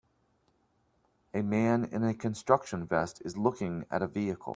A man in a construction vest is looking at a vehicle.